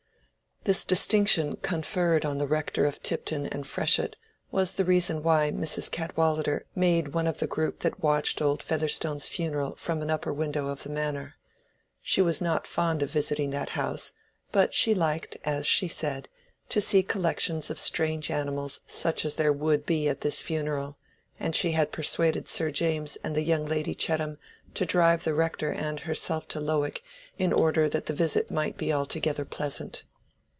This distinction conferred on the Rector of Tipton and Freshitt was the reason why Mrs. Cadwallader made one of the group that watched old Featherstone's funeral from an upper window of the manor. She was not fond of visiting that house, but she liked, as she said, to see collections of strange animals such as there would be at this funeral; and she had persuaded Sir James and the young Lady Chettam to drive the Rector and herself to Lowick in order that the visit might be altogether pleasant.